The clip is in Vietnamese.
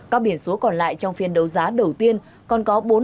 các biển số còn lại trong phiên đấu giá đầu tiên còn có bốn mươi